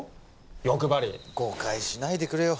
欲張り誤解しないでくれよ